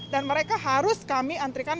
dan mereka harus kami antrikan